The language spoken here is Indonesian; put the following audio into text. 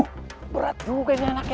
uh berat juga ini anak ya